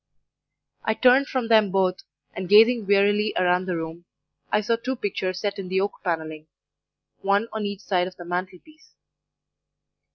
"I turned from them both, and gazing wearily round the room, I saw two pictures set in the oak panelling one on each side the mantel piece.